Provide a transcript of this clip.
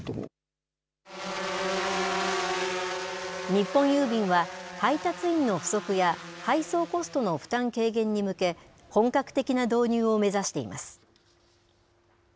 日本郵便は、配達員の不足や配送コストの負担軽減に向け、本格的な導入を目指しています。